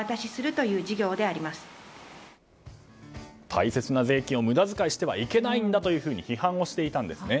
大切な税金を無駄遣いしてはいけないんだというふうに批判をしていたんですね。